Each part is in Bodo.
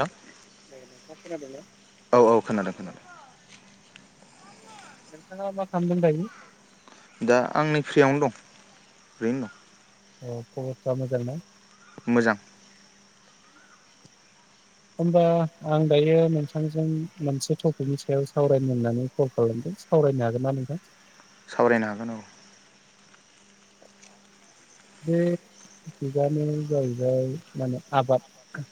हेल ओ नोंथाङा खोनादोंना औ औ खोनादों खोनादों। नोंथाङा मा खालामदों दायो? दा आंनै फ्रियावनो दं ओरैनो दं। अ खबस्था मोजां ना। मोजां। होमबा आं दायो नोंथांजों मोनसे टपिकनि सायाव सावरायनो होननानै कल खालामदों सावरायनो हागोन ना नोंथां। सावरायनो हागोन औ। बे जुगानो जाहैबाय माने आबाद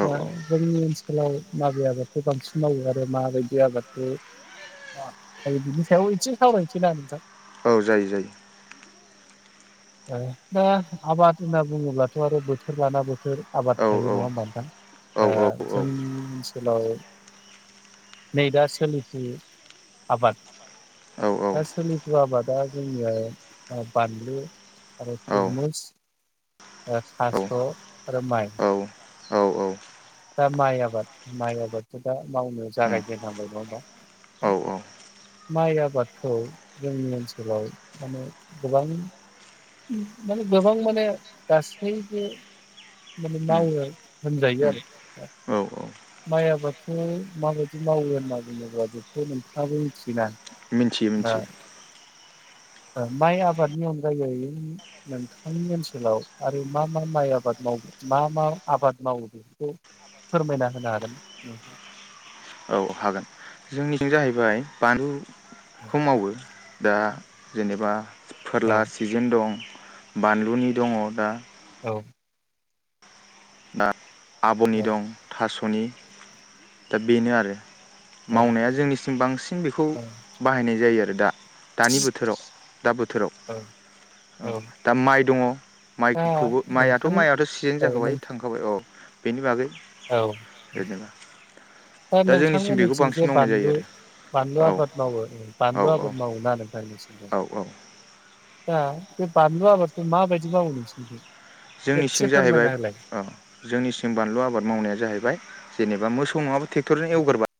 औ जोंनि ओनसोलाव माबे आबादखौ बांसिन मावो आरो माबायदि आबादखौ बिनि सायाव एसे सावरायनोसै ना नोंथां। औ जायो जायो। ओ दा आबाद होनना बुङोब्लाथ आरो बोथोर लाना बोथोर आबाद औ थायो औ नङा होमबा नोंथां औ ओ औ जोंनि ओनसोलाव नै दा सोलिफु आबाद औ दा सोलिफु आबादा जोंनिया बानलु आरो औ थुरमुस थास' आरो माइ दा माइ आबाद माइ आबादखौ दा मावनो जागायजेनहांबाय नङा होबा दा औ माइ आबादखौ जोंनि ओनसोलाव माने गोबां माने गोबां माने गासैबो माने मावो होनजायो आरो औ। माइ आबादखौ माबायदि मावो होनना बुङोब्ला बेखौ नोंथाङाबो मिथियोना। मिथियो दा मिथियो। ओ माइ आबादनि अनगायै नोंथांनि ओनसोलाव आरो मा मा माइ आबाद मावो मा मा आबाद मावो बेफोरखौ फोरमायना होनो हागोन। औ हागोन जोंनिजों जाहैबाय बानलु खौ मावो। दा जेनेबा औ फोरला सिजिन दं बानलुनि दङ दा औ। दा आब'नि औ दं थास' नि दा बेनो आरो औ मावनाया जोंनिसिम बांसिन बेखौ बाहायनाय जायो आरो आरो दा। दानि बोथोराव दा बोथोराव औ औ दा माइ दङ। दा माइखौबो माइआथ' नोंथां माइआथ' सिजेन औ जाखाबाय। अ बेनि बागै औ जेनेबा दा जोंनिसिम बेखौ नोंथांमोननिथिं जे बांसिन मावनाय जायो बानलु बानलु आरो आबाद मावो औ बानलु आबाद मावोना नोंथांमोननिथिजाय। औ औ औ दा बे बानलु आबाद मा बायदि मावयो नोंसिनिथिं? जोंनि सिं जाहैबाय ओ जोंनिसिम बानलु आबाद मावनाया जाहैबाय जेनेबा मोसौ नङाबो टेक्टरजों एवगोरबा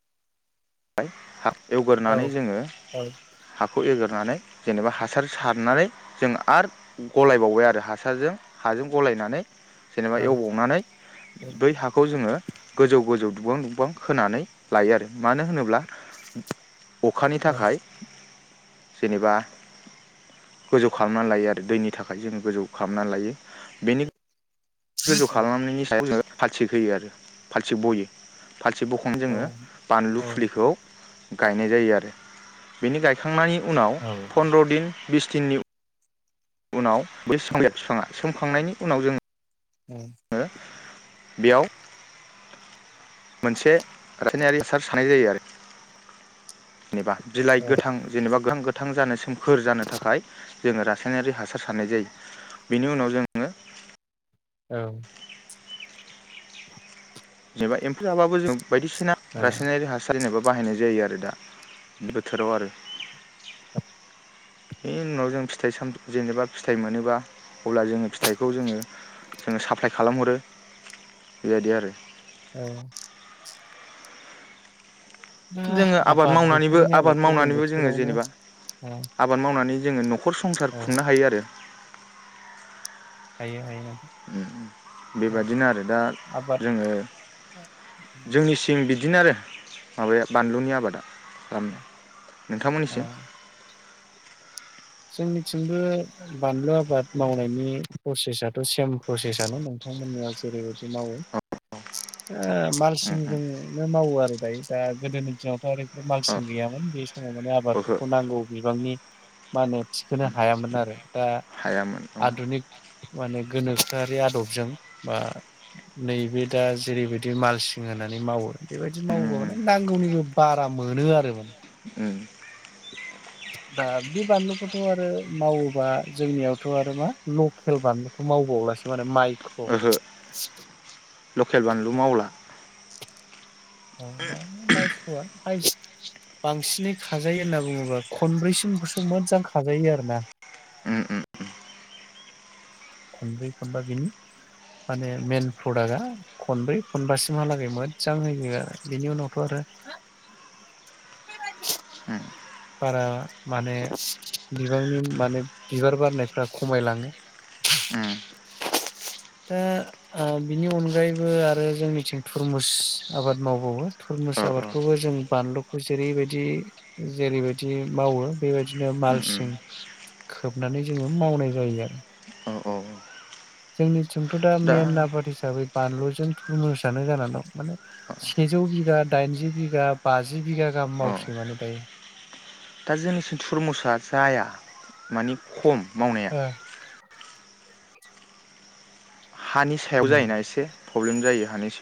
बाय हा औ एवगोरनानै जोङो औ हाखौ एगो नानै जेनेबा हासार सारनानै जों आरो गलायबावबाय आरो हासारजों हाजों गलायनानै जेनेबा औ एवबावनानै बै हाखौ जोङो गोजौ गोजौ दुुबां दुबां होनानै लायो आरो मानो होनो ब्ला अखानि औ थाखाय जेनेबा गोजौ खालामनानै लायो आरो दैनि थाखाय जों गोजौ खालामनानै लायो बेनि गोजौ खालामनायनि सायाव [unintelligible] फालथिख होयो आरो फालथिख बयो फालथिख बखांना जोङो औ बानलु फुलिखौ गायनाय जायो आरो बेनि गायखांनाय उनाव औ फनद्र' दिन बिस दिननिउ उनाव [unintelligible] फिफाङा सोमखांनायनि उनाव जों ओम ङो बेयाव मोनसे [unintelligible] सानाय जायो आरो। जेनेबा बिलाइ औ गोथां जेनेबा गोहां गोद थां जानो सोमखोर जानो थाखाय जोङो रासायनायारि हासार सारनाय जायो बेनि उनाव जोङो औ। जेनेबा एम्फौ जाबाबो जों बायदिसिना रासायनायारि हासार जेनेबोब बाहायनाय जायो आरो दा बोथोराव आरो। बे उनाव जों फिथाइ साम जेनेबा फिथाइ मोनोबा अब्ला जोङो फिथाइखौ जोङो जोङो साप्लाय खालामहरो बेबायदि आरो। औ। औ जोङो आबाद मावनानैबो बोथोरनि आबाद आबादखौ जों मावनानैबो जोङो बोथोरावनो जेनेबा ओ आबाद मावनानै जोंयो न' खर संसार औ खुंनो हायो आरो। हायो हायो नों उम बेबादिनो आरो दा आबाद जोङो जोंनिसिम बि दिनो आरो माबाया बानलुनि आबादा [unintelligible] ओ नोंथामोननिसिम जोंनिथिंबो बानलु आबाद मावनायनि प्रसेसाथ' सेम प्रसेसानो नोंथांमोननिया जेरैबायदि मावो ओ मालसिंजोंनो मावो आरो दायो दा गोदोनि दिनावथ' ओरै मालसिं गैयामोन बे औ माने ओहो आबादफोरखौ नांगौ बिबांनि मा होनो थिखोनो हायामोन आरो दा हायामोन औ आधुनिक माने गोनोखोआरि आदबजों बा नैबे दा जेरैबायदि मालसिं होनानै मावो बेबायदि मावोबा माने नांगौनिबो बारा मोनो आरो उम दा बे बानलुखौथ' आरो मावोबा जोंनियावथ' आरो मा लकेल बानलुखौ मावबावलासो आरो माइ ओहो लकेल बानलु मावला। [inaudible] औ दा माइसुआ हाइस बांसिनै खाजायो होनना बुङोब्ला खनब्रैसिमखौसो मोजां खाजायो आरो ना। उम उम खनब्रै खनबा बिनि माने मेन प्रडाक्टआ खनब्रै खनबासिमहालागै मोदजां होयो बेनि उनावथ' आरो बारा माने बिबांनि माने बिबार बारनायफ्रा खमायलाङो। उम दा ओ बिनि अनगायैबो आरो जोंनिथिं थुरमुस आबाद मावबावो थुरमुस औ औ आबादखौबो जों बानलुखौ जेरैबायदि जेरैबायदि मावो बेबायदिनो उम उम मालसिं खोबनानै जोंङो मावनाय जायो आरो। औ औ जोंनि जोंथ' दा मेन आबाद हिसाबै बानलुजों थुरमुसानो जानानै दं माने सेजौ बिगा दाइनजि बिगा बाजि बिगा गाहाम औ मावसै माने दायो। दा जोंनिसिम थुरमुसा जाया मानि खम। मावनाया ओ [inaudible] हानि सायाव जायोना एसे। प्रब्लेम जायो हानिस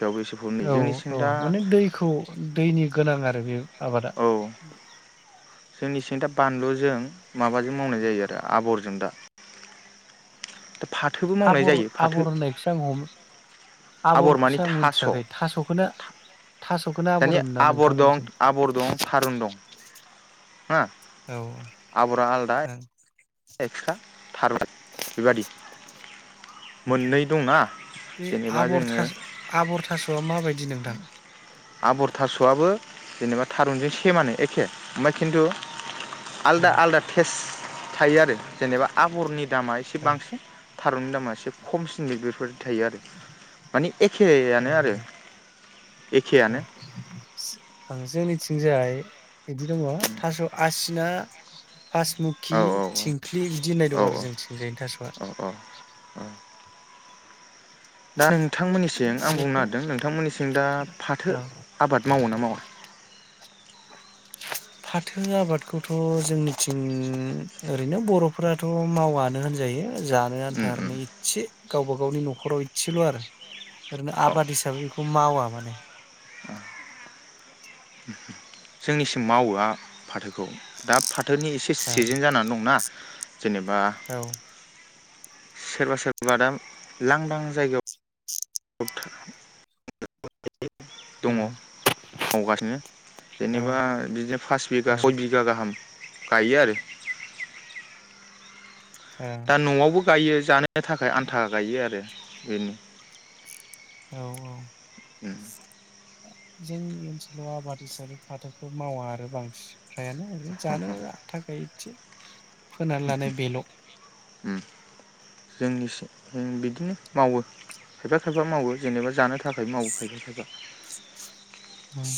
औ औ माने दैखौ दैनि गोनां आरो बे आबादा। जोंनि सिं दा बानलुजों माबाजों मावनाय जायो आरो आबरजों दा। दा फाथोबो मावनाय आबर जायो फाथो आबर होननायखौसो आं हम आबर मानि आबरखौसो आं मोनथियाखै थास'खौनो थास'खौनो आबर दानिया होनोना आबर दं नोंथांमोनजों? आबर दं थारुन दं। हो औ ओं आबरा आलदा एक्सट्रा थार बेबादि ओ मोननै दंना जेनेबा जोंङो मा बायद आबर थास'आबो जेनेबा थारुनजों सेमानो एखे ओमफाय खिन्थु ओ आलदा आलादा टेस। थायो आरो जेनेबा आबरनि दामा एसे औ बांसिन। थारुननि दामा एसे खमसिन बेफोर थायो आरो माने एखेआनो आरो। औ एखेयानो ओ जोंनिथिंजाय बिदि दङ थास आसिना औ फासमुखि औ थिंख्लि बिदि होननाय औ दं आरो जोंनिथिंजायनि थासआ। औ औ दा नों दा थांमोननिसिं आं बुंनो बेफोर नागिरदों नोंथांमोननि सिं दा फाथो औ आबाद मावो ना मावा? फाथो आबादखौथ जोंनिथिं ओरैनो बर'फोराथ मावानो होनजायो जानो उम उम आन्थारनो इसे गावबा गावनि न'खराव इसेल आरो ओरैनो औ आबाद हिसाबै बेखौ मावा माने। जोंनिसिम मावोआ फाथोखौ दा फा थोनि एसे ओ सिजेन जानानै दंना। जेनेबा औ सोरबा सोरबा दाम लांदां जायगाव दङ' उम मावगासिनो औ जेनेबा बिदिनो फास औ बिगा सय बिगा गाहाम गायो आरो। दा न'आवबो गायो जानो थाखाय आन्था गायो आरो। बेनो। औ औ। उम जोंनि ओनसोलाव आबाद हिसाबै फाथोखौ मावा आरो बांसि फ्रायानो ओरै जानो आथा गायो इसे फोनान लानाय बेल'। जोंनिसि ओम बिदिनो मावो खायफा खायफा मावो जेनेबा जानो थाखाय मावो खायफा खायफा। उम।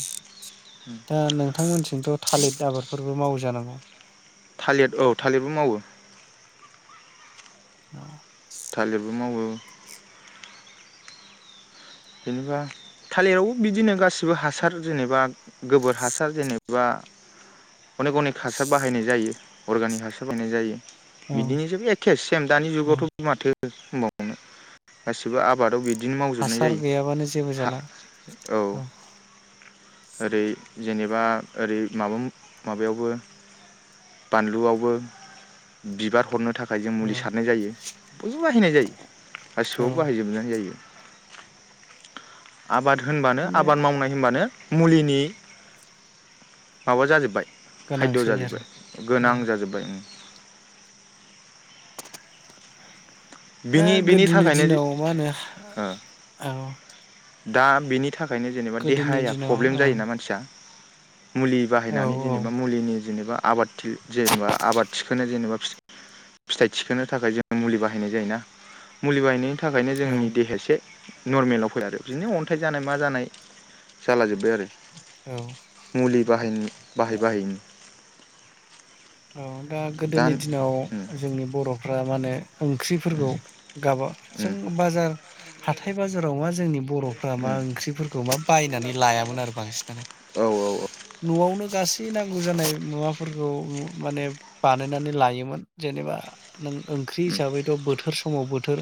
दा नोंथांमोनसिंथ' थालिद आबादफोरबो मावो जानांगौ। थालिर औ थालिरबो मावो। अ थालिरबो मावो। जेनेबा थालिरावबो बिदिनो गासिबो हासार जेनेबा गोबोर हासार जेनेबा अनेक अनेक हासार बाहायनाय जायो अर्गानिक हासार बाहायनाय जायो। बिदिनो जेबो एखे सेम दानि औ जुगावथो माथो [unintelligible] गासिबो आबादाव बि दिनो मावजोबनाय जायो। याबानो जेबो हा जाला। अ। औ ओरै जेनेबा ओरै माबा-माबायावबो बानलुआवबो बिबार हरनो था खाय जों औ मुलि सारनाय जायो। बयबो बाहायनाय जायो गासिबो औ बाहायजोबनायनो जायो। आबाद होनबानो माने आबाद मावनाय होनबानो मुलिनि माबा जाजोब्बाय। खायद' गोनांसै आरो जाजोब्बाय गोनां औ जाजोब्बाय उम। दा बिनि बेनि गोदोनि थाखायनो दिनाव मा होनो हा औ। दा बिनि थाखायनो जेनेबा गोदोनि देहाया दिनाव प्रब्लेम ओं जायोना मानसिया। मुलि औ बाहायनानै जेनेबा मुलिनि जेनेबा आबाद थि जेनबा आबाद थिखोनो जेनबा फिथाइ थिखोनो थाखाय जों मुलि बाहाय। बाहायनाय जायोना मुलि बायनाय नि थाखायनो औ जोंनि देहासे नर्मेलाव फै आरो बिदिनो अन्थाइ जानाय मा जानाय जाला जोब्बाय आरो। औ मुलि बाहयनि बाहाय दा बाहाय औ दा गोदोनि दिनाव उम जोंनि बर'फ्रा मा होनो। ओंख्रिफोरखौ गाबा उम जों बाजार हाथाइ बाजाराव माज जोंनि। बर'फ्रा मा ओंख्रिफोरखौ मा बायनानै लायामोन आरो बांसिनानो औ औ न'आवनो। गासै नांगौ जानाय मुवाफोरखौ। माने बानायनानै लायोमोन। जेनेबा नों ओंख्रि उम हिसाबैथ' बोथोर स समाव बोथोर।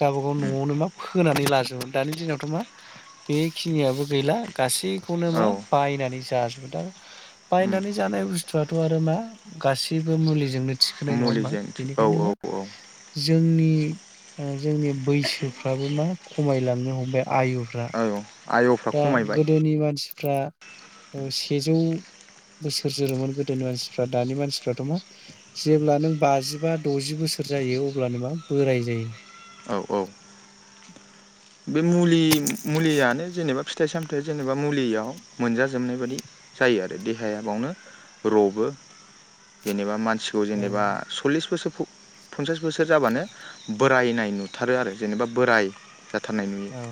गावबागाव उम न'आवनो मा फोनानै लाजोबो दानि दिनावथ' मा बेखिनियाबो गैला गासै। बेखौनो औ मा बायनानैसो। जाजोबो दा उम बायनानै जानाय बुस्थुआथ' आरो मा। गाससिबो मुलिजोंनो। थिखोनाय नङा होमबा मुलिजों औ बेनिखायनो मा औ औ जोंनि ओ जोंनि बैसोफ्राबो मा खमायलांनो हमबाय आयुफ्रा। औ आय'फ्रा दा खमायबाय गोदोनि मानसि फ्रा सेजौ बोसोर जोरोमोन गोदोनि मानसिफ्रा दानि मानसिफ्राथ' मा जेब्ला नों बाजिबा द'जि बोसोर जायो अब्लानो मा बोराय जायो। औ औ बे मुलि मुलियानो जेनेबा फि फिथाइ सामथायाइ जेनेबा मुलियाव मोनजा जोबनाय बादि जायो आरो देहाया बेवनो रबो जेनेबा मान सिगाङ ओ जेनबा सल्लिस बोसोर फ पन्सास बोसोर जाबानो बोरायनाय नुथारो आरो जेनेबा बोराय। जाथारनाय नुयो औ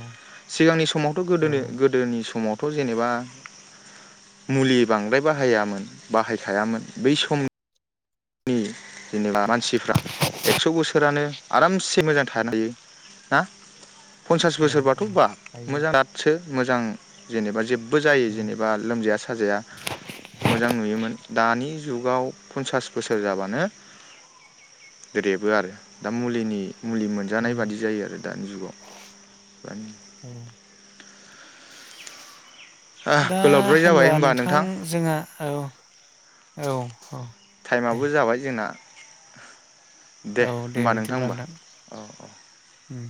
सिगांनि समावथ' औ गोदोनो गोदोनि समाव थ' जेनेबा मुलि बांद्राय बाहायामोन बाहायखायामोन बै सम जेनेबा मान सिफ्रा एक्स' बोसोरानो आरामसे मोजां थानो हायो ना पनसास औ बोसोरबाथ' औ बाब हायोमोन मोजां दादसो मोजां जेनेबा जे बो जायो औ जेनेबा लोमजाया साजाया मोजां नुयोमोन दानि जुगाव पनसास बोसोर जाबानो रेबोआरो दा मुलिनि मुलि औ मोनजानाय बादि जायो आरो दानि जुगाव औ [unintelligible] दा गोलावद्राय जाबाय होनबा होमबा नोंथां जोङा औ औ औ दे टाइमाबो जाबाय जोंना [inaudible] दे होमबा नोंथां होमबा औ औ उम।